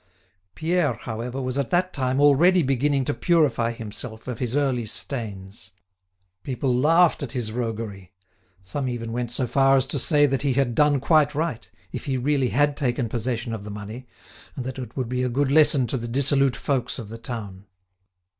Pierre, however, was at that time already beginning to purify himself of his early stains. People laughed at his roguery; some even went so far as to say that he had done quite right, if he really had taken possession of the money, and that it would be a good lesson to the dissolute folks of the town.